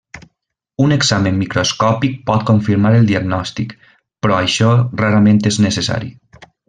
Un examen microscòpic pot confirmar el diagnòstic, però això rarament és necessari.